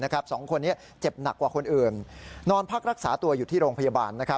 สองคนนี้เจ็บหนักกว่าคนอื่นนอนพักรักษาตัวอยู่ที่โรงพยาบาล